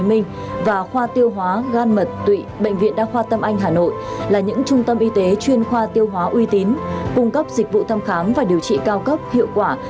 bệnh viện đa khoa tâm anh hà nội là những trung tâm y tế chuyên khoa tiêu hóa uy tín cung cấp dịch vụ thăm khám và điều trị cao cấp hiệu quả